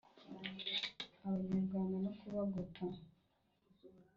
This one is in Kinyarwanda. abanyarwanda no kubagota